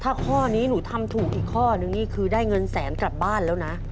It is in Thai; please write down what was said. ถ้าข้อนี้หนูทำถูกอีกข้อนึงนี่คือได้เงินแสนกลับบ้านแล้วนะ